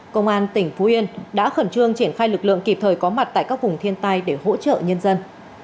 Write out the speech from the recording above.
công an tỉnh phú yên đã khẩn trương triển khai lực lượng kịp thời có mặt tại các vùng thiên tai để hỗ trợ nhân dân